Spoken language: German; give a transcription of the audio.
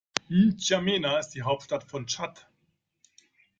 N’Djamena ist die Hauptstadt von Tschad.